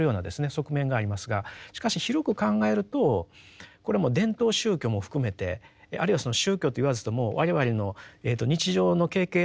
側面がありますがしかし広く考えるとこれはもう伝統宗教も含めてあるいはその宗教と言わずとも我々の日常の経験